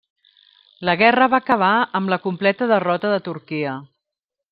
La guerra va acabar amb la completa derrota de Turquia.